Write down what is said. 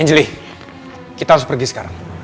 angeli kita harus pergi sekarang